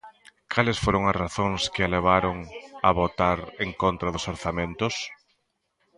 Cales foron as razóns que a levaron a votar en contra dos orzamentos?